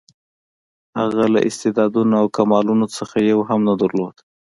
هغه له استعدادونو او کمالونو څخه یو هم نه درلود.